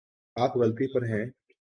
آپ غلطی پر ہیں